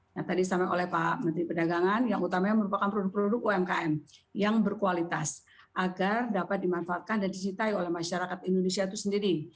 nah tadi disampaikan oleh pak menteri perdagangan yang utamanya merupakan produk produk umkm yang berkualitas agar dapat dimanfaatkan dan dicintai oleh masyarakat indonesia itu sendiri